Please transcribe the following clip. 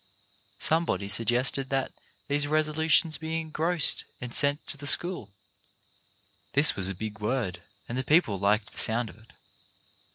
Somebody suggested that these resolutions be engrossed and sent to the school. This was a big word, and the people liked the sound of it.